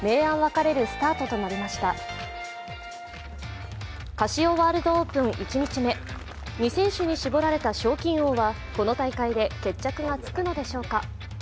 カシオワールドオープン１日目、２選手に絞られた賞金王は、この大会で決着がつくのでしょうか。